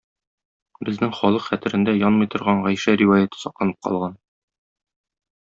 Безнең халык хәтерендә янмый торган Гайшә риваяте сакланып калган.